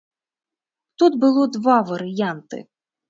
Тут было два варыянты.